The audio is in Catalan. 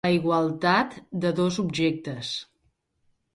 La igualtat de dos objectes.